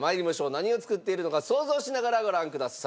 何を作っているのか想像しながらご覧ください。